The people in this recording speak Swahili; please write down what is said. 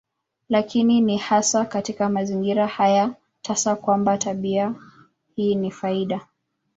Lakini ni hasa katika mazingira haya tasa kwamba tabia hii ni faida.